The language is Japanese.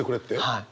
はい。